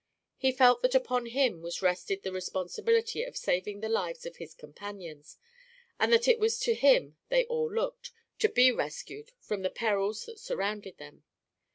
He felt that upon him was rested the responsibility of saving the lives of his companions, and that it was to him they all looked to be rescued from the perils that surrounded them.